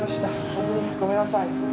本当にごめんなさい。